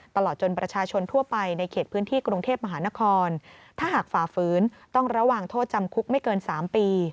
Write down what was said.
ตลอดจนประชาชนทั่วไปในเขตพื้นที่กรุงเทพมหานครถ้าหากฝ่าฝืนต้องระวังโทษจำคุกไม่เกิน๓ปี